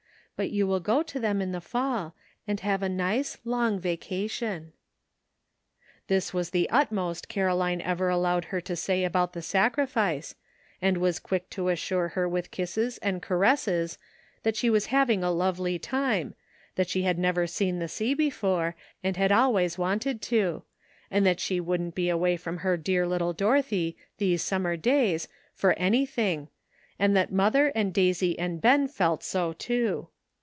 But you will go to them in the fall, and have a nice long vacation." This was the utmost Caroline ever allowed her to say about the sacrifice, and was quick to assure her with kisses and caresses that she was having a lovely time, that she had never seen the sea before, and had always wanted to, and that she wouldn't be away from her dear little Dorothy these summer days for any thing, and that mother and Daisy and Ben felt so too.